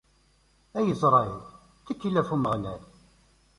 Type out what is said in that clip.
A Isṛayil, ttkel ɣef Umeɣlal!